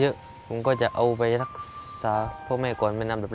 และกับผู้จัดการที่เขาเป็นดูเรียนหนังสือ